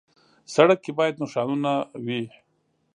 سړک کې باید نښانونه وي.